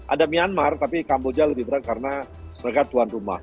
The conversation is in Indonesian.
ada myanmar tapi kamboja lebih berat karena mereka tuan rumah